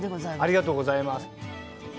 ありがとうございます。